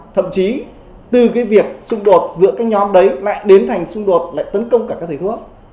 thậm chí từ cái việc xung đột giữa các nhóm đấy lại đến thành xung đột lại tấn công cả các thầy thuốc